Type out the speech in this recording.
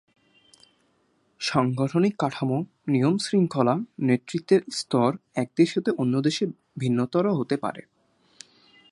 সাংগঠনিক কাঠামো, নিয়ম-শৃঙ্খলা, নেতৃত্বের স্তর এক দেশ থেকে অন্য দেশে ভিন্নতর হতে পারে।